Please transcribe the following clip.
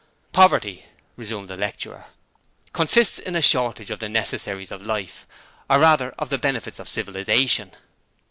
'Poverty,' resumed the lecturer, consists in a shortage of the necessaries of life or rather, of the benefits of civilization.'